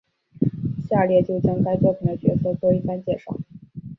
下列就将该作品的角色做一番介绍。